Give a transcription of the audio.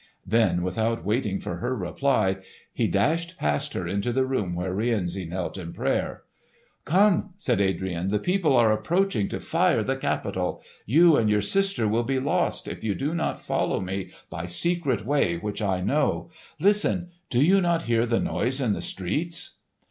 Then without waiting for her reply, he dashed past her into the room where Rienzi knelt in prayer. "Come!" said Adrian, "the people are approaching to fire the Capitol! You and your sister will be lost, if you do not follow me by a secret way which I know. Listen! do you not hear the noise in the streets?"